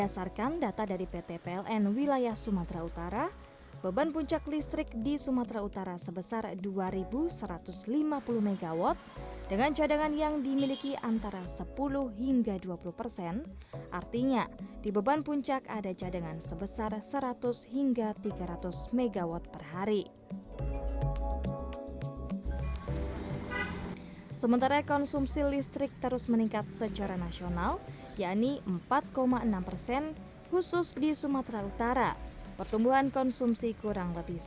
sampai jumpa di video selanjutnya